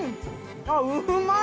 あっうまい！